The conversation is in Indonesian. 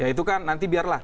ya itu kan nanti biarlah